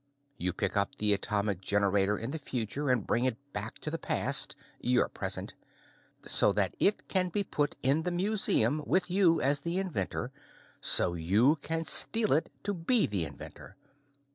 You pick up an atomic generator in the future and bring it back to the past your present so that it can be put in the museum with you as the inventor so you can steal it to be the inventor.